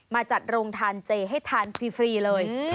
จัดโรงทานเจให้ทานฟรีเลย